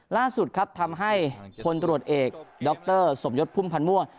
ล่าสุดครับทำให้พลตรวจเอกดรสมยศพุ่มพันธ์ม่วง